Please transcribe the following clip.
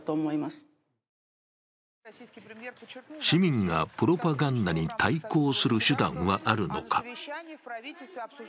市民がプロパガンダに対抗する手段はあるのか。